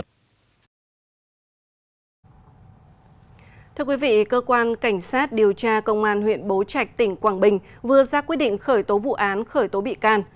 thưa quý vị cơ quan cảnh sát điều tra công an huyện bố trạch tỉnh quảng bình vừa ra quyết định khởi tố vụ án khởi tố bị can